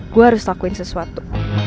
gue harus lakuin sesuatu